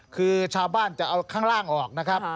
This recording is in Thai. คือชาวบ้านจะเอาข้างล่างออกนะครับ